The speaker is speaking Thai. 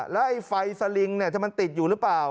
แล้วไอ้ไฟสลิงถ้ามันติดอยู่หรือเปล่า